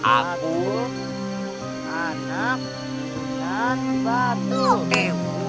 anak anak punan batu